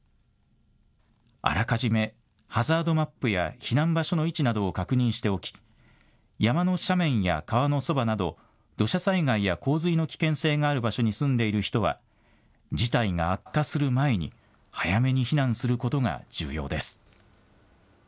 あらかじめハザードマップや避難場所の位置などを確認しておき山の斜面や、川のそばなど土砂災害や洪水の危険性がある場所に住んでいる人は事態が悪化する前に早めに避難することが重要です。